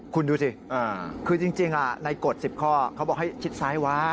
คุณดูสิคือจริงในกฎ๑๐ข้อเขาบอกให้ชิดซ้ายว้า